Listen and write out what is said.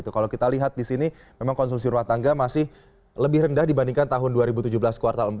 kalau kita lihat di sini memang konsumsi rumah tangga masih lebih rendah dibandingkan tahun dua ribu tujuh belas kuartal empat